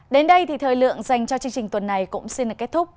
đến đây thì thời lượng dành cho chương trình tuần này cũng xin cảm ơn các bạn